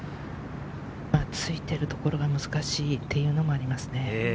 突いてるところが難しいというのもありますね。